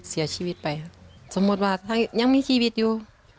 ที่เสียชีวิตไปสมมติว่าอย่างนี้ยังชีวิตอยู่